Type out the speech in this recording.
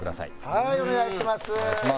はいお願いします。